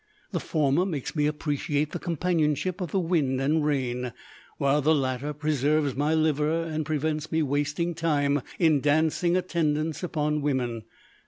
The former makes me appreciate the companionship of the wind and rain, while the latter preserves my liver and prevents me wasting time in dancing attendance upon women.